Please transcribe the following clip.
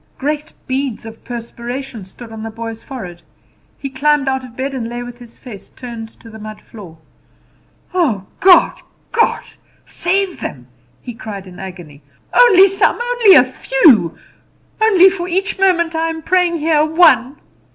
Great beads of perspiration stood on the boy's forehead. He climbed out of bed and lay with his face turned to the mud floor. "Oh, God, God! save them!" he cried in agony. "Only some, only a few! Only for each moment I am praying here one!"